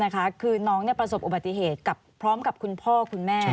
คือน้องประสบอุบัติเหตุพร้อมกับคุณพ่อคุณแม่